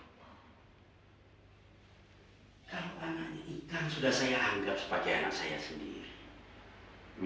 karena ini ikan sudah saya anggap sebagai anak saya sendiri